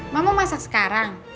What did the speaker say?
mama mau masak sekarang